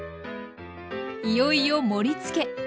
いよいよ盛りつけ。